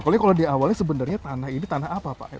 kalau di awalnya sebenarnya tanah ini tanahnya